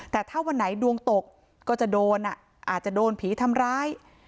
แต่ถ้าวันไหนดวงตกก็จะโดนอาจจะโดนผีทำร้าย